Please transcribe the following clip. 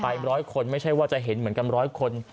ร้อยคนไม่ใช่ว่าจะเห็นเหมือนกันร้อยคน